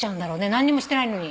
何にもしてないのに。